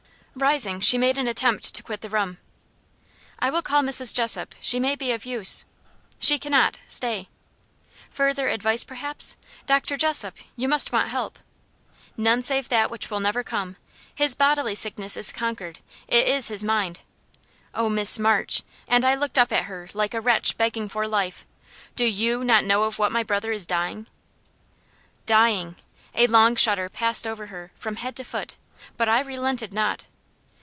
Rising, she made an attempt to quit the room. "I will call Mrs. Jessop: she may be of use " "She cannot. Stay!" "Further advice, perhaps? Doctor Jessop you must want help " "None save that which will never come. His bodily sickness is conquered it is his mind. Oh, Miss March!" and I looked up at her like a wretch begging for life "Do YOU not know of what my brother is dying?" "Dying!" A long shudder passed over her, from head to foot but I relented not.